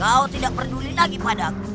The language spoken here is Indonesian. kau tidak peduli lagi padaku